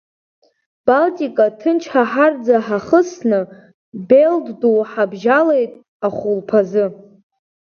Балтика ҭынчҳаҳараӡа ҳахысны Белт Ду ҳабжьалеит ахәылԥазы.